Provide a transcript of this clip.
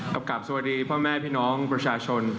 ขอบความสวัสดีพ่อแม่พี่น้องประชาชน